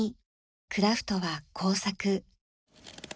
クラフトは「工作」。